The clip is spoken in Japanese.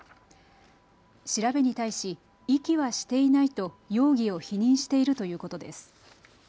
調べに対し遺棄はしていないと容疑を否認しているということです。